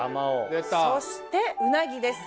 そしてうなぎです。